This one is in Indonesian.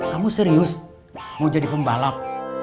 kamu serius mau jadi pembalap